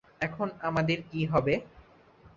এখন আমাদের কী হবে?